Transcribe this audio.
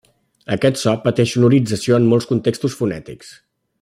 Aquest so pateix sonorització en molts contextos fonètics.